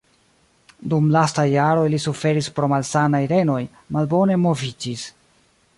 Dum lastaj jaroj li suferis pro malsanaj renoj, malbone moviĝis.